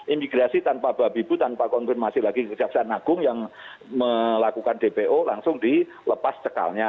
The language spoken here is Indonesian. imigrasi tanpa babibu tanpa konfirmasi lagi kejaksaan agung yang melakukan dpo langsung dilepas cekalnya